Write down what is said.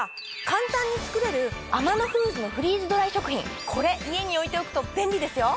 簡単に作れるアマノフーズのフリーズドライ食品これ家に置いておくと便利ですよ！